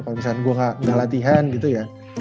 kalau misalkan gue nggak latihan gitu ya